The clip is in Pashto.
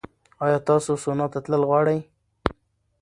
ایا تاسو سونا ته تلل غواړئ؟